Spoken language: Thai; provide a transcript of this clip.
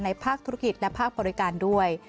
ภาคธุรกิจและภาคบริการด้วย